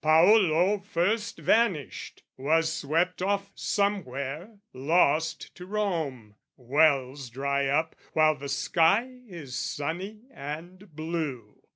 Paolo first Vanished, was swept off somewhere, lost to Rome: (Wells dry up, while the sky is sunny and blue.)